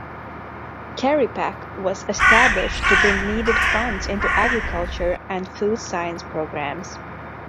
CariPac was established to bring needed funds into agriculture and food science programs.